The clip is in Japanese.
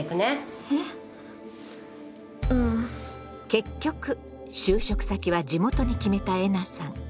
結局就職先は地元に決めたえなさん。